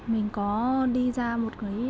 mình có đi ra một cái